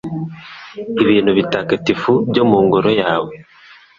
ibintu bitagatifu byo mu Ngoro yawe